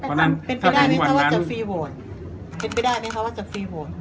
เป็นไปได้ไหมคะว่าจะฟรีโหวต